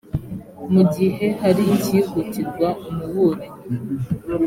mu gihe hari icyihutirwa umuburanyi